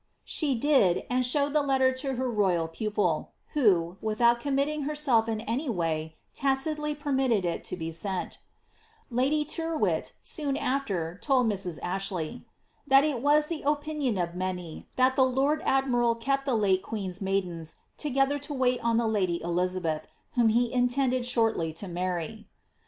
"* She did, and showed the letter to her royal pupil, who, without com mitting herself in any way, tacitly permitted it to be sent Lady Tyr> whit, soon after, told Mrs. Ashley ^ that it was the opinion of many that the lord admiral kept the late queen's maidens together to wait on the lady Elizabetli, whom he intended shortly lo marry."